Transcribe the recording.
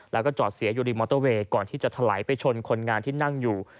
แล้วก็จอดเสียอยู่ริมอเตอร์เวย์ก่อนที่จะถลายไปชนคนงานที่นั่งอยู่